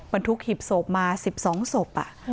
บรรทุกหีบศพมา๑๒ศพ